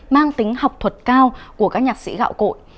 mang tính học thuật cao của các nhạc sĩ gạo cội